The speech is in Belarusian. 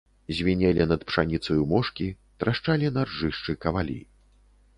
Звінелі над пшаніцаю мошкі, трашчалі на ржышчы кавалі.